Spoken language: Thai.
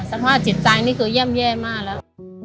สันว่าจิตใจก็ไย้มากเหล้า